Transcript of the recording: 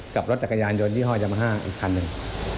กับรถจักรยานยนต์ยี่ห้อยามาฮ่าอีกคันหนึ่ง